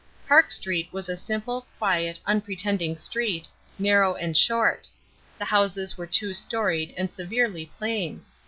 Park Street was a simple, quiet, unpretending street, narrow and short; the houses were two storied and severely plain.